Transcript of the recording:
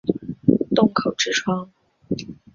洞口之窗